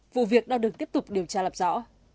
vụ việc đang được tiếp tục điều tra lập rõ